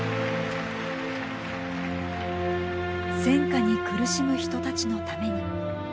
戦禍に苦しむ人たちのために。